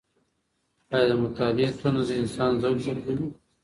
آيا د مطالعې تنده د انسان ذوق بدلوي؟